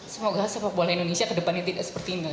semoga sepak bola indonesia kedepannya tidak seperti ini